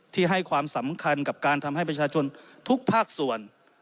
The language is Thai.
ให้ความสำคัญกับการทำให้ประชาชนทุกภาคส่วน